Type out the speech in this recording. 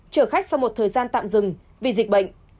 chở khách sau một thời gian tạm dừng vì dịch bệnh